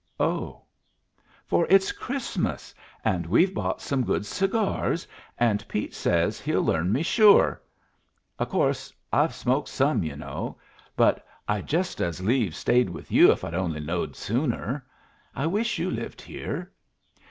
"Oh!" "For it's Christmas, an' we've bought some good cigars, an' Pete says he'll learn me sure. O' course I've smoked some, you know. But I'd just as leaves stayed with you if I'd only knowed sooner. I wish you lived here.